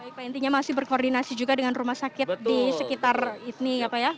baik pak intinya masih berkoordinasi juga dengan rumah sakit di sekitar ini ya pak ya